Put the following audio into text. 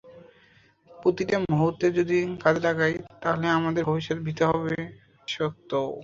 প্রতিটা মুহূর্ত যদি কাজে লাগাই, তাহলে আমার ভবিষ্যতের ভিত হবে শক্ত।